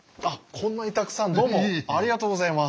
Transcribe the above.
こんなにたくさんどうもありがとうございます！